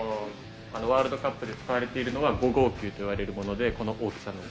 ワールドカップで使われているのが５号球といわれるものでこの大きさの。